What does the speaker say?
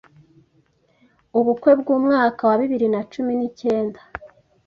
ubukwe bw’umwaka wa bibiri na cumi nicyenda